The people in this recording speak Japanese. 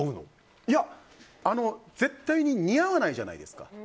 絶対に似合わないじゃないですか。